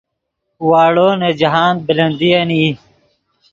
واڑو نے جاہند بلندین ای